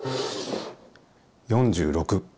４６！